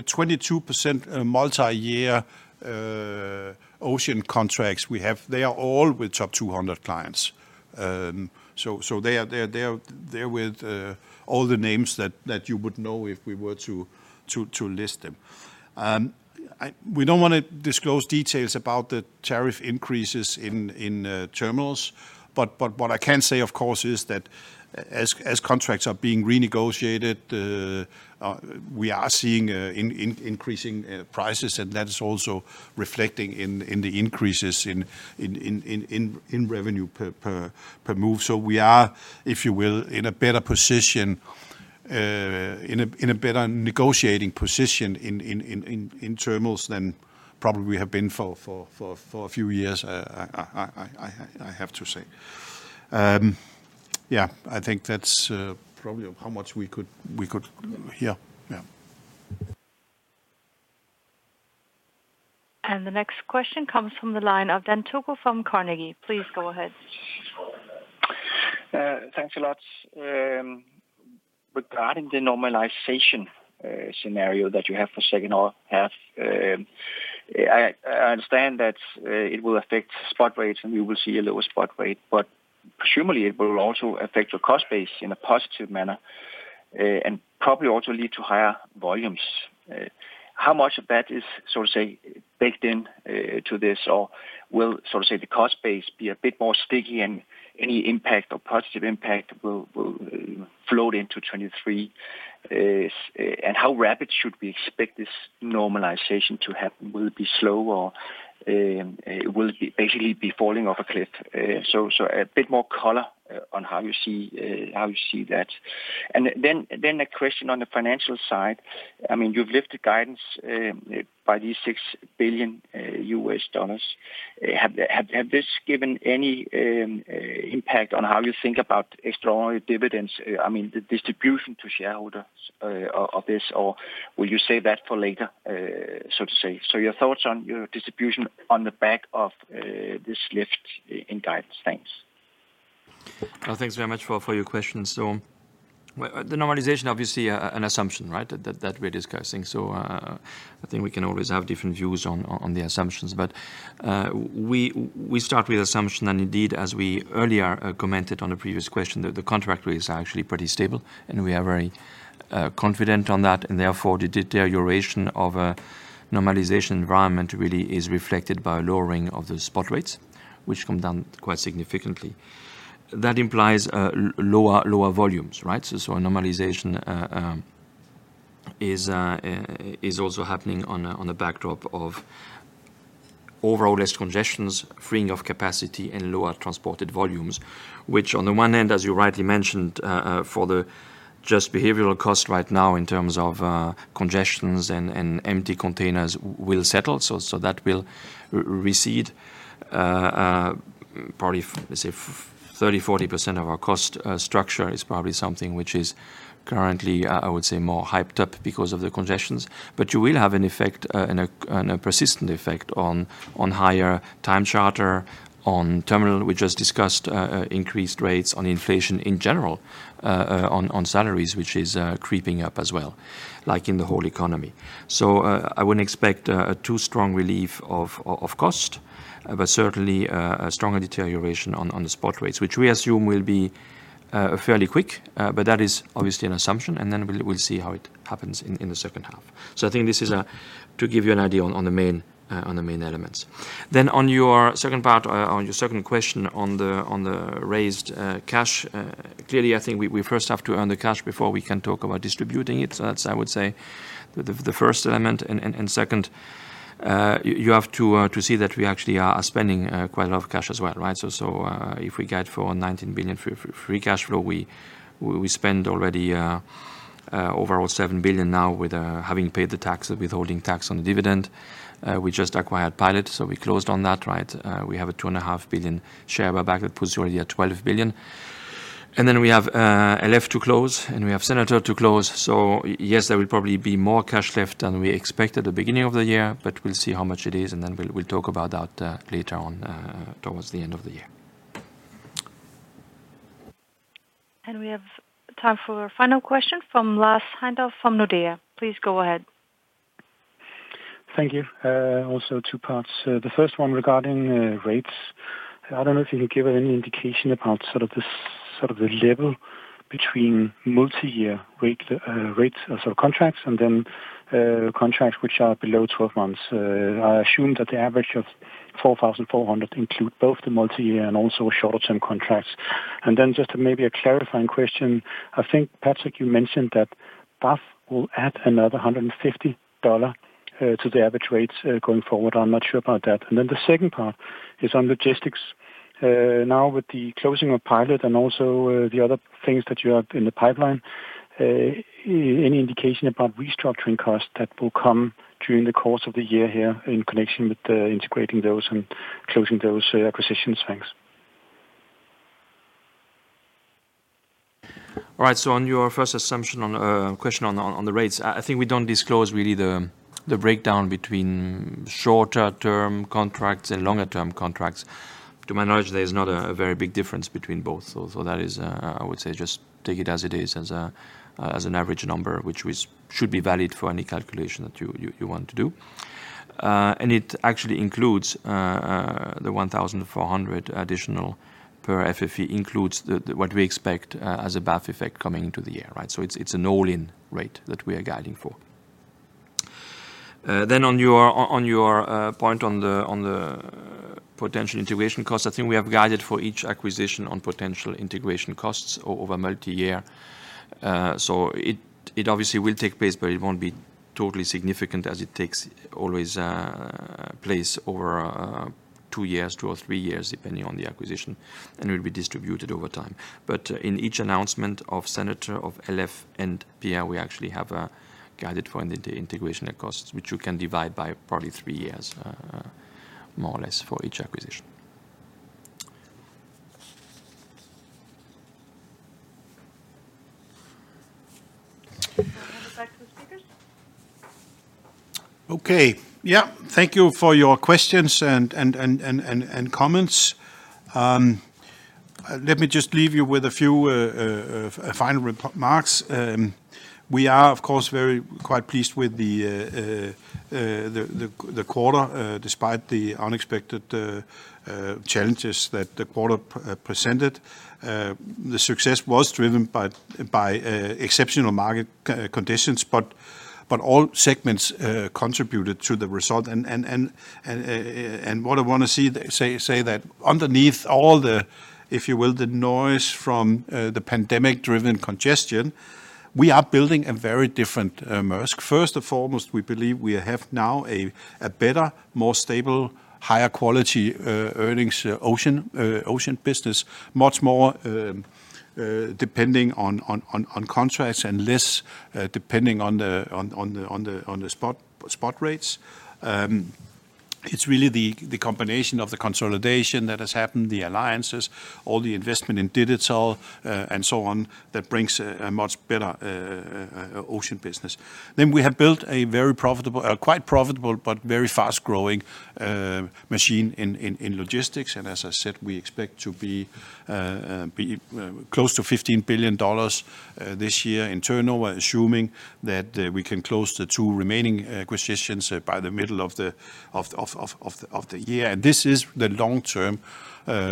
22% multi-year Ocean contracts we have, they are all with top 200 clients. They are with all the names that you would know if we were to list them. We don't wanna disclose details about the tariff increases in terminals, but what I can say, of course, is that as contracts are being renegotiated, we are seeing increasing prices, and that is also reflecting in the increases in revenue per move. We are, if you will, in a better negotiating position in terminals than probably we have been for a few years, I have to say. Yeah, I think that's probably how much we could hear. Yeah. The next question comes from the line of Dan Togo from Carnegie. Please go ahead. Thanks a lot. Regarding the normalization scenario that you have for second half, I understand that it will affect spot rates, and we will see a lower spot rate, but presumably it will also affect your cost base in a positive manner, and probably also lead to higher volumes. How much of that is, so to say, baked in to this? Or will, so to say, the cost base be a bit more sticky and any impact or positive impact will float into 2023? How rapid should we expect this normalization to happen? Will it be slow or will it be basically falling off a cliff? So a bit more color on how you see that. Then a question on the financial side. I mean, you've lifted guidance by these $6 billion. Has this given any impact on how you think about extraordinary dividends? I mean, the distribution to shareholders of this, or will you save that for later, so to say? Your thoughts on your distribution on the back of this lift in guidance. Thanks. Thanks very much for your questions. The normalization, obviously an assumption, right? That we're discussing. I think we can always have different views on the assumptions. We start with assumption, and indeed, as we earlier commented on a previous question, that the contract rates are actually pretty stable and we are very confident on that. Therefore, the deterioration of a normalization environment really is reflected by lowering of the spot rates, which come down quite significantly. That implies lower volumes, right? A normalization is also happening on a backdrop of overall less congestion, freeing of capacity and lower transported volumes, which on the one hand, as you rightly mentioned, the just behavioral cost right now in terms of congestion and empty containers will settle. That will relieve, probably, let's say 30%–40% of our cost structure is probably something which is currently, I would say more hyped up because of the congestion. But you will have an effect and a persistent effect on higher time charter and terminal. We just discussed increased rates, inflation in general, on salaries, which is creeping up as well, like in the whole economy. I wouldn't expect a too strong relief of cost, but certainly a stronger deterioration on the spot rates, which we assume will be fairly quick. That is obviously an assumption, and then we'll see how it happens in the second half. I think this is to give you an idea on the main elements. On your second part, on your second question on the raised cash. Clearly, I think we first have to earn the cash before we can talk about distributing it. That's, I would say, the first element. Second, you have to see that we actually are spending quite a lot of cash as well, right? If we get $14 billion free cash flow, we spend already overall $7 billion now with having paid the tax, withholding tax on the dividend. We just acquired Pilot, so we closed on that, right? We have a $2.5 billion share buyback. That puts you already at $12 billion. Then we have LF to close, and we have Senator to close. Yes, there will probably be more cash left than we expect at the beginning of the year, but we'll see how much it is, and then we'll talk about that later on towards the end of the year. We have time for a final question from Lars Heindorff from Nordea. Please go ahead. Thank you. Also two parts. The first one regarding rates. I don't know if you can give any indication about sort of the level between multiyear rates or sort of contracts and then contracts which are below 12 months. I assume that the average of $4,400 includes both the multiyear and also short-term contracts. Just maybe a clarifying question. I think, Patrick, you mentioned that BAF will add another $150 to the average rates going forward. I'm not sure about that. The second part is on logistics. Now with the closing of Pilot and also, the other things that you have in the pipeline, any indication about restructuring costs that will come during the course of the year here in connection with, integrating those and closing those, acquisitions? Thanks. All right. On your first assumption on question on the rates, I think we don't disclose really the breakdown between shorter term contracts and longer term contracts. To my knowledge, there is not a very big difference between both. That is, I would say just take it as it is, as an average number, which should be valid for any calculation that you want to do. It actually includes the 1,400 additional per FFE, what we expect as a BAF effect coming into the year, right? It's an all-in rate that we are guiding for. On your point on the potential integration costs, I think we have guided for each acquisition on potential integration costs over multiyear. It obviously will take place, but it won't be totally significant as it always takes place over two years, two or three years, depending on the acquisition, and will be distributed over time. In each announcement of Senator, of LF and Pilot, we actually have guided for the integration costs, which you can divide by probably three years, more or less for each acquisition. Back to the speakers. Okay. Yeah. Thank you for your questions and comments. Let me just leave you with a few final remarks. We are, of course, quite pleased with the quarter, despite the unexpected challenges that the quarter presented. The success was driven by exceptional market conditions, but all segments contributed to the result. What I want to say is that underneath all the, if you will, the noise from the pandemic-driven congestion, we are building a very different Maersk. First and foremost, we believe we have now a better, more stable, higher quality earnings ocean business, much more depending on contracts and less depending on the spot rates. It's really the combination of the consolidation that has happened, the alliances, all the investment in digital and so on, that brings a much better ocean business. We have built a quite profitable but very fast-growing machine in logistics. As I said, we expect to be close to $15 billion this year in turnover, assuming that we can close the two remaining acquisitions by the middle of the year. This is the long-term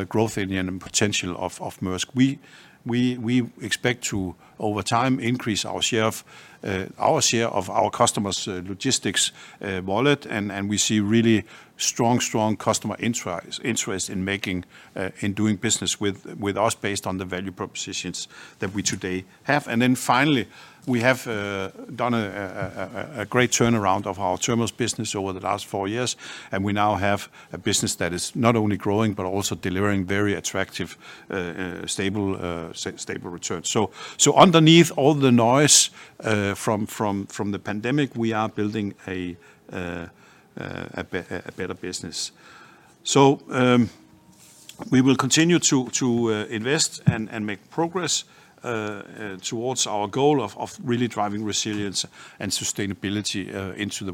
growth engine and potential of Maersk. We expect to, over time, increase our share of our customers logistics wallet. We see really strong customer interest in doing business with us based on the value propositions that we today have. Finally, we have done a great turnaround of our terminals business over the last four years, and we now have a business that is not only growing, but also delivering very attractive stable returns. Underneath all the noise from the pandemic, we are building a better business. We will continue to invest and make progress towards our goal of really driving resilience and sustainability into the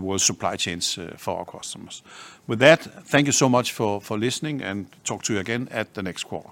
world's supply chains for our customers. With that, thank you so much for listening and talk to you again at the next quarter.